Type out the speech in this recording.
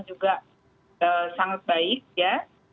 juga sangat baik ya